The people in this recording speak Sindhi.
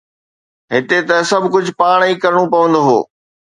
هتي ته سڀ ڪجهه پاڻ ئي ڪرڻو پوندو هو